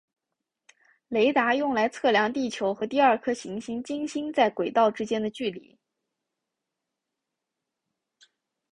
雷达用来测量地球和第二颗行星金星在轨道之间的距离。